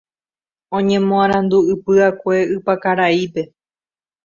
Oñemoarandu'ypy'akue Ypakaraípe.